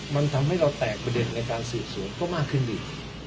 มันทำให้เราแตกประเด็นในการสืบสวนก็มากขึ้นอีก